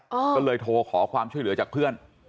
ก็เลยโทรขอความช่วยเหลือจากเพื่อน